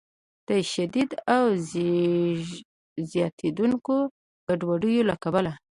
د شدیدې او زیاتیدونکې ګډوډۍ له کبله